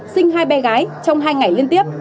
sinh hai bé gái trong hai ngày liên tiếp